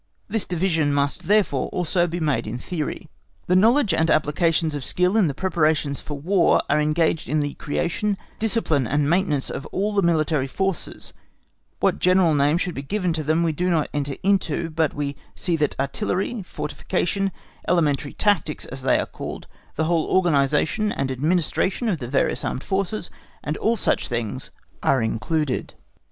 _" This division must therefore also be made in theory. The knowledge and applications of skill in the preparations for War are engaged in the creation, discipline, and maintenance of all the military forces; what general names should be given to them we do not enter into, but we see that artillery, fortification, elementary tactics, as they are called, the whole organisation and administration of the various armed forces, and all such things are included.